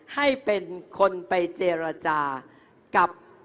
ให้เป็นคนไปเจรจากับ